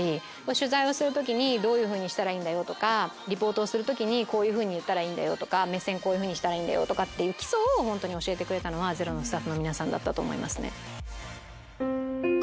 取材をする時に「どういうふうにしたらいいんだよ」とかリポートをする時に「こう言ったらいいんだよ」とか「目線こうしたらいいよ」って基礎を教えてくれたのは『ＺＥＲＯ』のスタッフの皆さんだったと思いますね。